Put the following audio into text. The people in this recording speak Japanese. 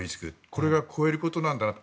これが超えることなんだなと。